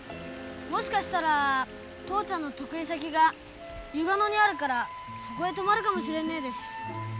もしかしたら父ちゃんの得意先が湯ヶ野にあるからそこへ泊まるかもしれねえです。